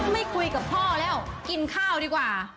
ไม่คุยกับพ่อแล้วกินข้าวดีกว่า